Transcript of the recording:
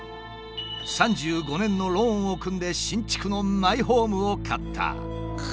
３５年のローンを組んで新築のマイホームを買った。